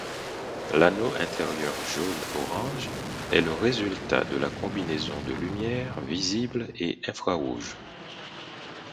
L'anneau intérieur jaune-orange est le résultat de la combinaison de lumière visible et infrarouge.